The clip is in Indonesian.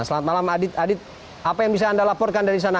selamat malam adit adit apa yang bisa anda laporkan dari sana